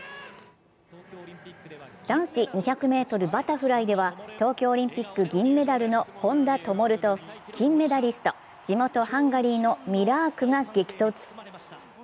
男子２００ｍバタフライでは東京オリンピック銀メダルの本多灯と金メダリスト、地元・ハンガリーのミラークが激突。